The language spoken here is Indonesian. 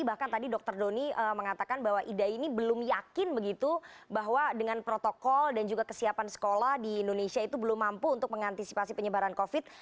bahkan tadi dokter doni mengatakan bahwa ida ini belum yakin begitu bahwa dengan protokol dan juga kesiapan sekolah di indonesia itu belum mampu untuk mengantisipasi penyebaran covid